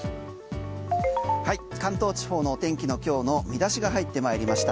関東地方のお天気の今日の見出しが入ってまいりました。